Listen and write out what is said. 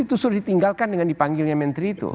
itu sudah ditinggalkan dengan dipanggilnya menteri itu